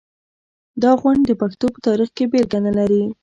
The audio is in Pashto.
دا غونډ د پښتو په تاریخ کې بېلګه نلري.